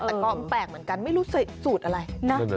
แต่ก็แปลกเหมือนกันไม่รู้ใส่สูตรอะไรนะ